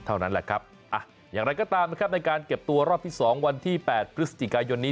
เท่านั้นแหละครับอย่างไรก็ตามนะครับในการเก็บตัวรอบที่๒วันที่๘พฤศจิกายนนี้